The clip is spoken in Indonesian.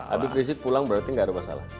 abis presid pulang berarti tidak ada masalah